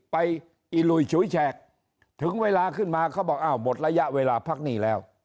อิลุยฉุยแฉกถึงเวลาขึ้นมาเขาบอกอ้าวหมดระยะเวลาพักหนี้แล้ว